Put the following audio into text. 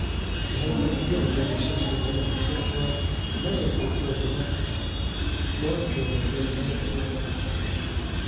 There had been a feeling ever since the marriage that while Mary preferred London, Lord George was wedded to the country.